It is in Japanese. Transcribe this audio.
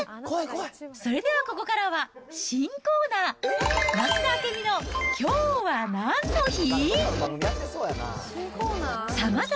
それではここからは、新コーナー、増田明美の今日は何の日？